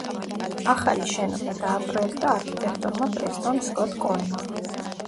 ახალი შენობა დააპროექტა არქიტექტორმა პრესტონ სკოტ კოენმა.